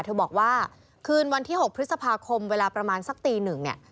เธอบอกว่าคืนวันที่๖พฤษภาคมเวลาประมาณสักตีหนึ่งเนี่ย